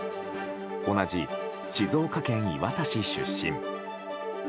同じ静岡県磐田市出身。